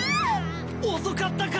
遅かったか！